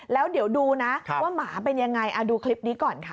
แล้วเดี๋ยวดูนะว่าหมาเป็นยังไงดูคลิปนี้ก่อนค่ะ